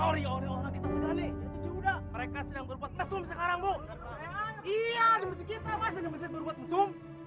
masjid kita masih ada mesin berbuat mesum